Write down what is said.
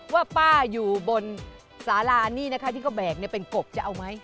ว่าป้าอยู่บนสารานี่นะคะที่เขาแบกเป็นกบจะเอาไหม